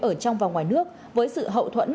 ở trong và ngoài nước với sự hậu thuẫn